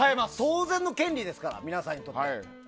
当然の権利ですから皆さんにとって。